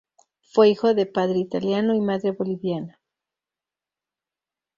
Fue hijo de padre italiano y madre boliviana.